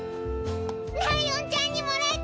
ライオンちゃんにもらった！